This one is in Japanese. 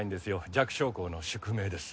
弱小校の宿命です